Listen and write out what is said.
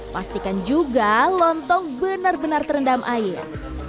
pastikan juga lontong benar benar terendam air